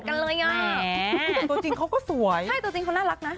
เหมือนกันเลยอะตัวจริงเขาก็สวยใช่ตัวจริงเขาน่ารักนะ